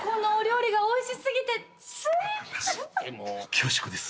恐縮です。